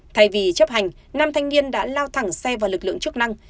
thay vì chấp hành nam thanh niên đã lao thẳng xe vào lực lượng chức năng